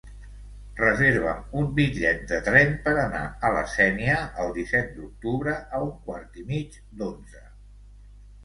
Reserva'm un bitllet de tren per anar a la Sénia el disset d'octubre a un quart i mig d'onze.